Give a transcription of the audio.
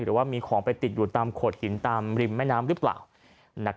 หรือว่ามีของไปติดอยู่ตามโขดหินตามริมแม่น้ำหรือเปล่า